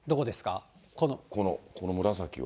この紫は。